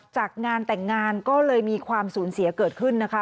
จากงานแต่งงานก็เลยมีความสูญเสียเกิดขึ้นนะคะ